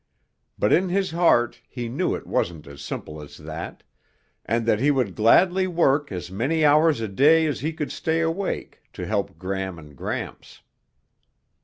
But in his heart he knew it wasn't as simple as that, and that he would gladly work as many hours a day as he could stay awake to help Gram and Gramps.